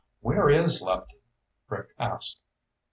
"Where is Lefty?" Rick asked.